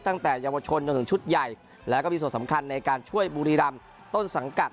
ตั้งแต่เยาวชนจนถึงชุดใหญ่แล้วก็มีส่วนสำคัญในการช่วยบุรีรำต้นสังกัด